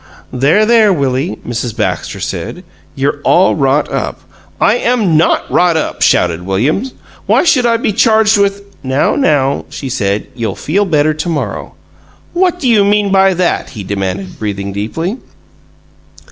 "There, there, Willie," Mrs. Baxter said. "You're all wrought up " "I am NOT wrought up!" shouted William. "Why should I be charged with " "Now, now!" she said. "You'll feel better to morrow." "What do you mean by that?" he demanded, breathing deeply.